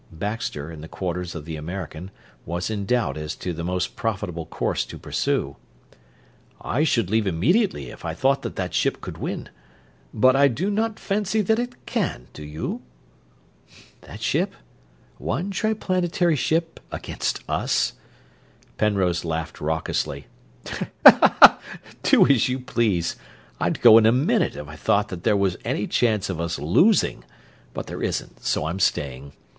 Baxter, in the quarters of the American, was in doubt as to the most profitable course to pursue. "I should leave immediately if I thought that that ship could win; but I do not fancy that it can, do you?" "That ship? One Triplanetary ship against us?" Penrose laughed raucously. "Do as you please. I'd go in a minute if I thought that there was any chance of us losing; but there isn't, so I'm staying.